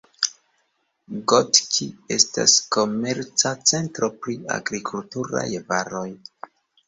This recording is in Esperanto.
Gotki estas komerca centro pri agrikulturaj varoj.